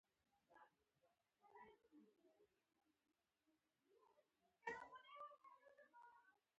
تاریخ د خپل ولس د وړتیاو ښکارندوی دی.